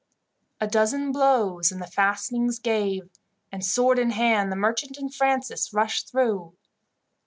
A dozen blows and the fastenings gave, and, sword in hand, the merchant and Francis rushed through.